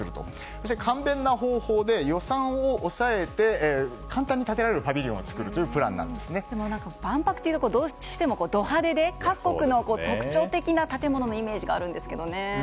そして簡便な方法で予算を抑えて簡単に建てられるパビリオンをでも万博というとド派手で各国の特徴的な建物のイメージがあるんですけどね。